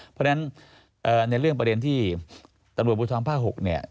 เพราะฉะนั้นในเรื่องประเด็นที่ตำรวจภูทรภาค๖เนี่ย